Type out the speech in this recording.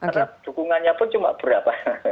karena dukungannya pun cuma berapa